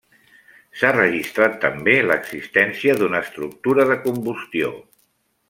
S’ha registrat també l’existència d’una estructura de combustió.